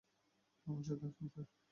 আমার সাথে আসুন, স্যার।